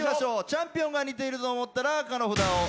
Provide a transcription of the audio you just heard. チャンピオンが似ていると思ったら紅の札を。